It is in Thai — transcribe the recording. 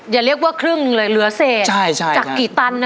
อย่าเรียกว่าครึ่งหนึ่งเลยเหลือเศษใช่ใช่จากกี่ตันนะ